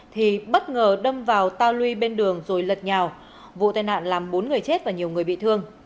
thì bất ngờ đâm vào ta lui bên đường rồi lật nhào vụ tai nạn làm bốn người chết và nhiều người bị thương